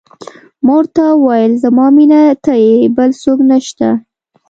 ما ورته وویل: زما مینه ته یې، بل څوک نه شته.